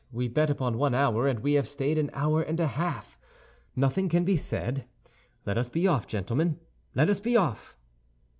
We bet upon one hour, and we have stayed an hour and a half. Nothing can be said; let us be off, gentlemen, let us be off!"